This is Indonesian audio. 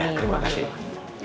ya terima kasih